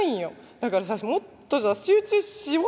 だからもっとさ集中しよう。